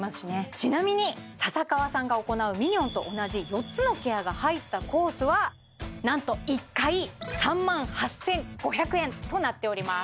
ちなみに笹川さんが行うミニョンと同じ４つのケアが入ったコースはなんと１回３万８５００円となっております